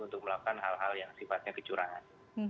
untuk melakukan hal hal yang sifatnya kecurangan